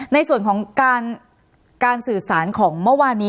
ในส่วนของการสื่อสารของเมื่อวานนี้